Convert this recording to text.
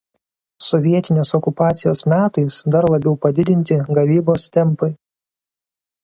Sovietinės okupacijos metais dar labiau padidinti gavybos tempai.